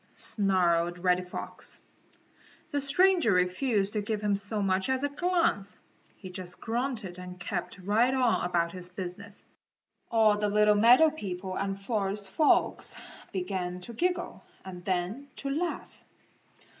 snarled Reddy Fox. The stranger refused to give him so much as a glance. He just grunted and kept right on about his business. All the little meadow people and forest folks began to giggle and then to laugh.